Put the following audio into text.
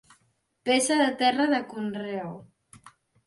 Peça de terra de conreu.